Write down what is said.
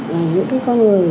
và những cái con người